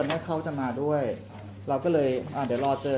นี่อยู่ในชื่อนั้นนะหลักฐานอยู่ในกลุ่มนี้